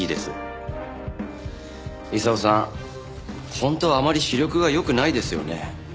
本当はあまり視力が良くないですよね？